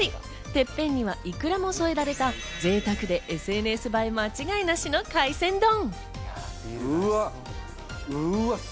てっぺんにはいくらも添えられたぜいたくでＳＮＳ映え間違えなしの海鮮丼。